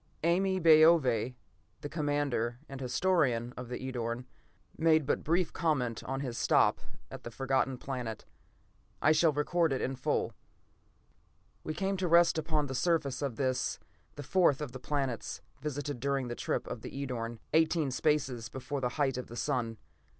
Ame Baove, the commander and historian of the Edorn, made but brief comment on his stop at the Forgotten Planet. I shall record it in full: "We came to rest upon the surface of this, the fourth of the planets visited during the first trip of the Edorn, eighteen spaces before the height of the sun.